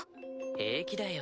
平気だよ。